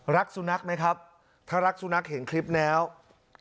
รักษุนักไหมครับถ้ารักษุนักเห็นคลิปเนี้ย